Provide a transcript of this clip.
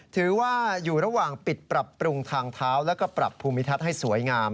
ถือว่าอยู่ระหว่างปิดปรับปรุงทางเท้าแล้วก็ปรับภูมิทัศน์ให้สวยงาม